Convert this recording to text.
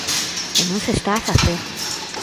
E non se está a facer.